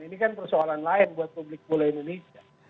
ini kan persoalan lain buat publik bola indonesia